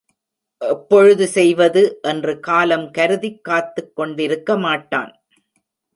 எப்பொழுது செய்வது? என்று காலம் கருதிக் காத்துக் கொண்டிருக்க மாட்டான்.